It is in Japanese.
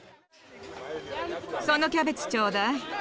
そのキャベツちょうだい。